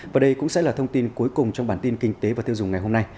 và đây cũng sẽ là thông tin cuối cùng trong bản tin kinh tế và tiêu dùng ngày hôm nay